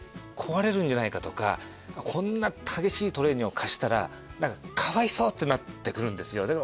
壊れるんじゃないかとかこんな激しいトレーニングを課したらかわいそうってなってくるんですよ。